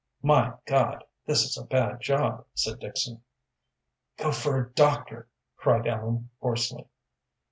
"My God! this is a bad job," said Dixon. "Go for a doctor," cried Ellen, hoarsely.